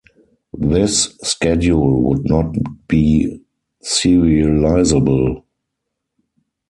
This schedule would not be serializable.